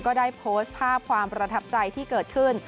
ก็ได้โพสต์ภาพความประทับใจที่เกิดขึ้น